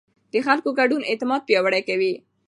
د خلکو ګډون اعتماد پیاوړی کوي